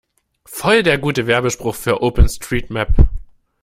Voll der gute Werbespruch für OpenStreetMap!